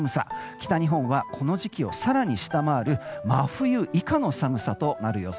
北日本はこの時期を更に下回る真冬以下の寒さとなる予想。